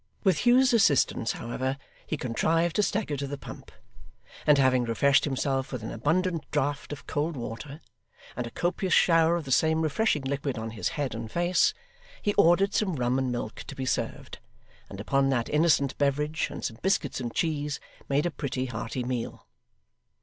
With Hugh's assistance, however, he contrived to stagger to the pump; and having refreshed himself with an abundant draught of cold water, and a copious shower of the same refreshing liquid on his head and face, he ordered some rum and milk to be served; and upon that innocent beverage and some biscuits and cheese made a pretty hearty meal.